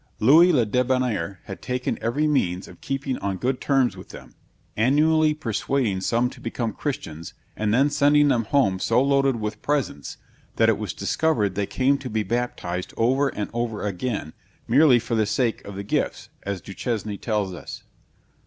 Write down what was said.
Louis le Debonnaire had taken every means of keeping on good terms with them; annually persuading some to become Christians, and then sending them home so loaded with presents, that it was discovered they came to be baptized over and over again, merely for the sake of the gifts, as Du Chesne tells us.